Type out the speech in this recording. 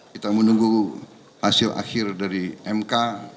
kita menunggu hasil akhir dari mk